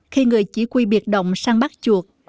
khi người chỉ quy biệt động săn bắt chuột